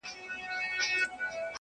چي مي بایللی و، وه هغه کس ته ودرېدم ~